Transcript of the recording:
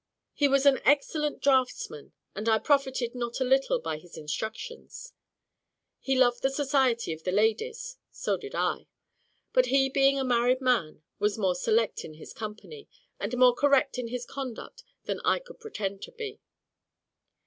He was an excellent draughtsman, and I profited not a little by his instructions; he loved the society of the ladies, so did I; but he being a married man was more select in his company, and more correct in his conduct than I could pretend to be.